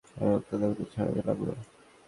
এ রোগ তাদের মধ্যে ছড়াতে লাগল।